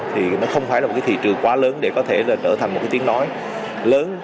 thì nó không phải là một cái thị trường quá lớn để có thể là trở thành một cái tiếng nói lớn